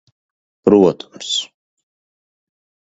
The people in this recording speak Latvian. Protams.